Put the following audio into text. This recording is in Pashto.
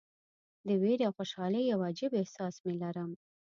د ویرې او خوشالۍ یو عجیب احساس مې لرم.